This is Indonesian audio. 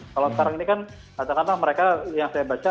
kalau sekarang ini kan katakanlah mereka yang saya baca